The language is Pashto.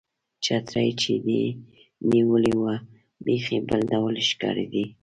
چترۍ چې دې نیولې وه، بیخي بل ډول ښکارېدې.